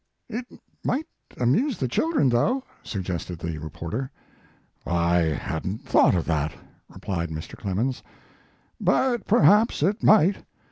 " It might amuse the children, though, suggested the reporter. " I hadn t thought of that/ replied Mr. Clemens; but perhaps it might.